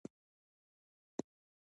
د ډوډۍ احترام پکار دی.